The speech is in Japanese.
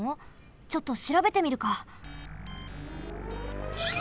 ちょっとしらべてみるか。